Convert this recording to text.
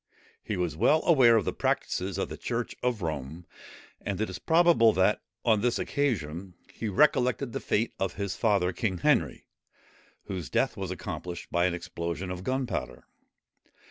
He was well aware of the practices of the church of Rome; and it is probable that, on this occasion, he recollected the fate of his father, King Henry, whose death was accomplished by an explosion of gunpowder.